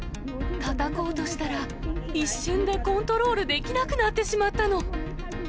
たたこうとしたら、一瞬でコントロールできなくなってしまったの。